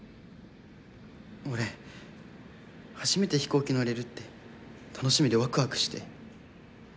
俺初めて飛行機乗れるって楽しみでワクワクして。